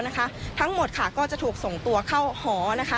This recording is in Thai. ทั้งหมดค่ะก็จะถูกส่งตัวเข้าหอนะคะ